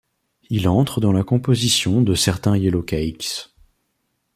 Il entre dans la composition de certains yellowcakes.